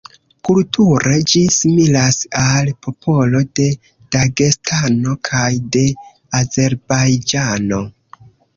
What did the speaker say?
Kulture, ĝi similas al popolo de Dagestano kaj de Azerbajĝano.